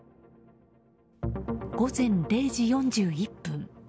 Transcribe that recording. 午前０時４１分。